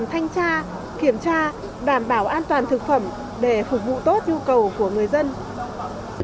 thanh tra kiểm tra đảm bảo an toàn thực phẩm để phục vụ tốt nhu cầu của người dân